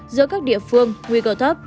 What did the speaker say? giữa các địa phương nguy cơ thấp